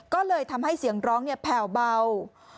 ก็เลยทำให้เสียงร้องแผ่วเบา